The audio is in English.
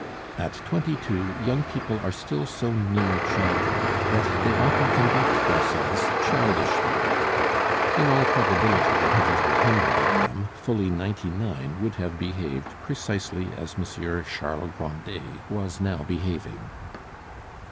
At twenty two, young people are still so near childhood that they often conduct themselves childishly. In all probability, out of every hundred of them fully ninety nine would have behaved precisely as Monsieur Charles Grandet was now behaving.